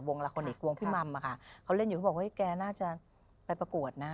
วงลาโคนิควงพี่มัมค่ะเขาเล่นอยู่พี่บอกว่าเฮ้ยแกน่าจะไปปรากฏนะ